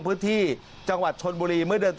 ปลูกมะพร้าน้ำหอมไว้๑๐ต้น